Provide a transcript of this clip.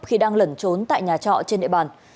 khi đang lẩn trốn tại nhà trọ trên địa bàn